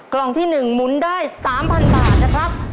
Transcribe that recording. กล่องที่๑หมุนได้๓๐๐บาทนะครับ